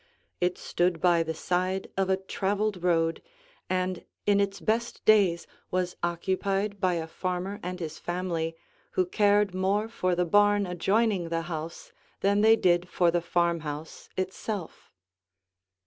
It stood by the side of a traveled road and in its best days was occupied by a farmer and his family who cared more for the barn adjoining the house than they did for the farmhouse itself.